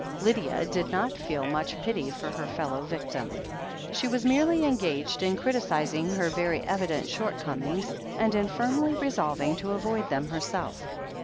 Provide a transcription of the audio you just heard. Lydia did not feel much pity for her fellow victim. She was merely engaged in criticizing her very evident short comings, and in firmly resolving to avoid them herself.